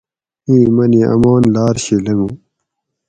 این منی امان لاۤر شی لنگو